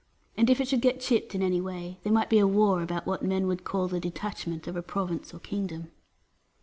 And if it should get chipped in any way, there, might be a war about what men would call the detachment of a province or kingdom.